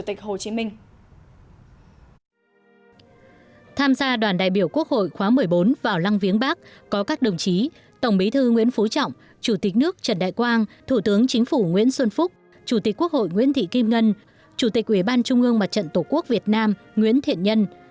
tham gia đoàn đại biểu quốc hội khóa một mươi bốn vào lăng viếng bắc có các đồng chí tổng bí thư nguyễn phú trọng chủ tịch nước trần đại quang thủ tướng chính phủ nguyễn xuân phúc chủ tịch quốc hội nguyễn thị kim ngân chủ tịch ủy ban trung ương mặt trận tổ quốc việt nam nguyễn thiện nhân